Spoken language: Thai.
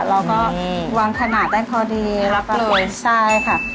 เราก็วางขนาดได้พอดีแล้วก็เอาไส้ค่ะ